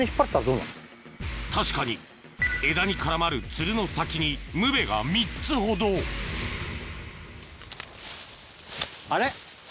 確かに枝に絡まるツルの先にムベが３つほどあれ？